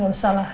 gak usah lah